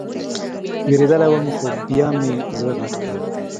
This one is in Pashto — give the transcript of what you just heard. وېرېدلى وم خو بيا مې زړه غټ کړ.